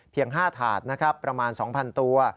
๕ถาดนะครับประมาณ๒๐๐ตัว